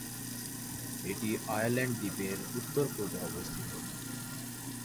এটি আয়ারল্যান্ড দ্বীপের উত্তর-পূর্বে অবস্থিত।